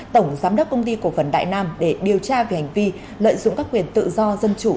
tổng giám đốc công ty cổ phần đại nam để điều tra về hành vi lợi dụng các quyền tự do dân chủ